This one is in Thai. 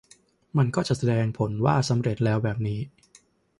มันก็จะแสดงผลว่าสำเร็จแล้วแบบนี้